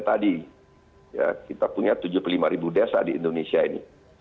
tadi ya kita punya tujuh puluh lima ribu desa di indonesia ini